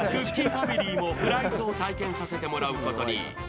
ファミリーもフライトを体験させてもらうことに。